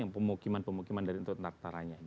pemukiman pemukiman dari antartaranya